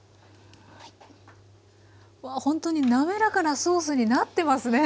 わあほんとに滑らかなソースになってますね。